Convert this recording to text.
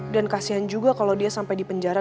dan kasian juga kalau dia sampai di penjara